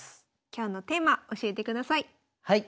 今日のテーマ教えてください。